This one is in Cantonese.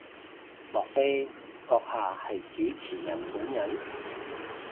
莫非閣下係主持人本人？